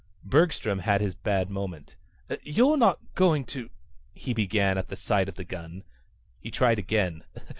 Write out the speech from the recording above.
Bergstrom had his bad moment. "You're not going to ..." he began at the sight of the gun. He tried again.